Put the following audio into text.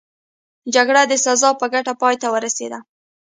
جګړه د سزار په ګټه پای ته ورسېده.